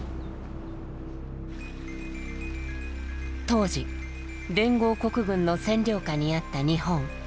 当時連合国軍の占領下にあった日本。